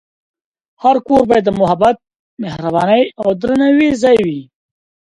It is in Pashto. هر کور باید د محبت، مهربانۍ، او درناوي ځای وي.